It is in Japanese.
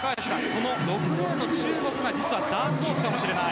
この６レーンの中国がダークホースかもしれない。